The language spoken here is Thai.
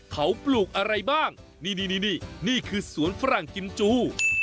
เขาปลูกอะไรบ้างนี่นี่คือสวนฝรั่งกิมจู